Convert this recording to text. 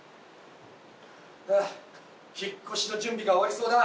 ああ引っ越しの準備が終わりそうだ。